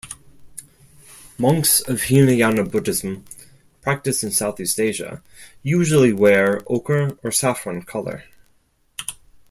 Monks of Hinayana Buddhism, practiced in Southeast Asia, usually wear ochre or saffron color.